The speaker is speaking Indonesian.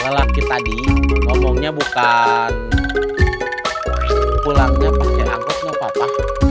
lelaki tadi ngomongnya bukan pulangnya pakai angkot ya papa